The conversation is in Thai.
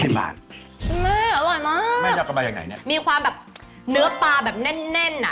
แม่อร่อยมากแม่ชอบกันมายังไงเนี้ยมีความแบบเนื้อปลาแบบแน่นแน่นอ่ะ